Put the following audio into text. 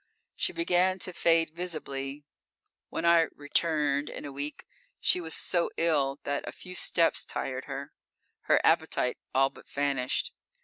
_ _She began to fade visibly. When I "returned" in a week, she was so ill that a few steps tired her. Her appetite all but vanished.